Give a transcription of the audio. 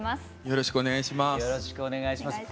よろしくお願いします。